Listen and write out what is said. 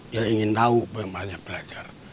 dia ingin tahu banyak belajar